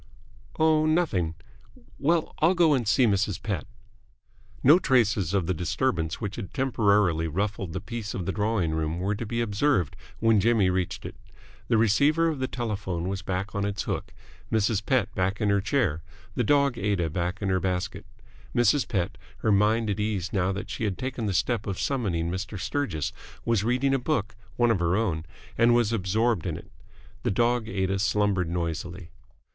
"Oh, nothing. Well, I'll go and see Mrs. Pett." No traces of the disturbance which had temporarily ruffled the peace of the drawing room were to be observed when Jimmy reached it. The receiver of the telephone was back on its hook, Mrs. Pett back in her chair, the dog Aida back in her basket. Mrs. Pett, her mind at ease now that she had taken the step of summoning Mr. Sturgis, was reading a book, one of her own, and was absorbed in it. The dog Aida slumbered noisily.